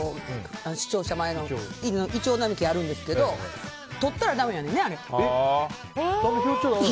市庁舎前のところにイチョウ並木があるんですけどとったらだめやねんね、あれ。